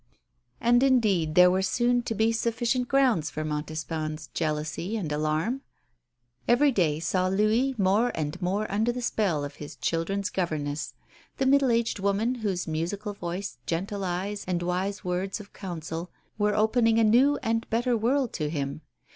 And indeed there were soon to be sufficient grounds for Montespan's jealously and alarm. Every day saw Louis more and more under the spell of his children's governess the middle aged woman whose musical voice, gentle eyes, and wise words of counsel were opening a new and better world to him.